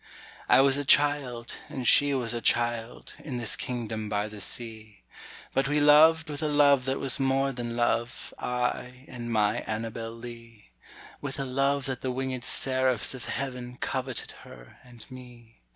I was a child and she was a child, In this kingdom by the sea; But we loved with a love that was more than love, I and my Annabel Lee, With a love that the winged seraphs of heaven Coveted her and me.